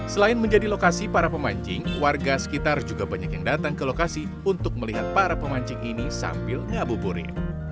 selain menjadi lokasi para pemancing warga sekitar juga banyak yang datang ke lokasi untuk melihat para pemancing ini sambil ngabuburit